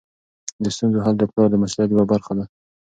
د ستونزو حل د پلار د مسؤلیت یوه برخه ده.